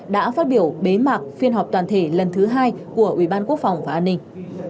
đã phát biểu bế mạc phiên họp toàn thể lần thứ hai của ủy ban quốc phòng và an ninh